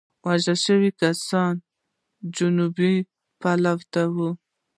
د وژل شوو کسانو جېبونه پلټي.